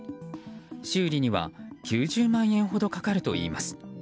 修理には９０万円ほどかかるといいます。